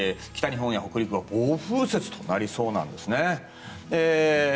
北日本や北陸は暴風雪となりそうなんです。